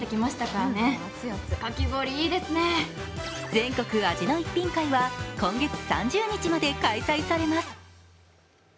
全国味の逸品会は今月３０日まで開催されます。